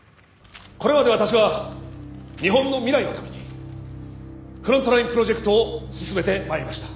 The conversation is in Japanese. これまで私は日本の未来のためにフロントラインプロジェクトを進めて参りました。